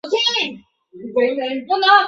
归化的俄军士兵们对欠饷感到不满。